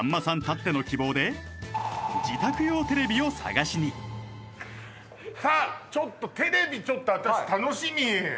たっての希望で自宅用テレビを探しにさあテレビちょっと私楽しみ！